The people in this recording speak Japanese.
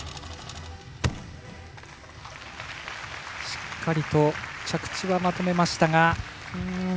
しっかりと着地はまとめました。